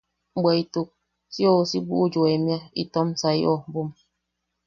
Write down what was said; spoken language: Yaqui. Bweʼituk si ousi buʼu u yoemia itom sai ojbom.